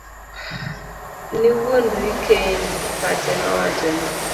Niwuondri kendi, pache nowachone.